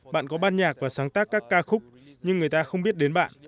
bạn có ban nhạc và sáng tác các ca khúc nhưng người ta không biết đến bạn